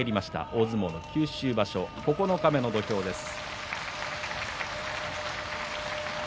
大相撲九州場所九日目の土俵です。